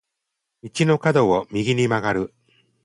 道の角を右に曲がる。